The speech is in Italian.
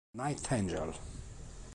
Night Angel